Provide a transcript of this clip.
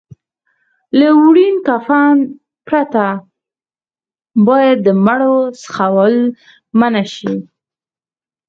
له وړین کفن پرته باید د مړو خښول منع شي.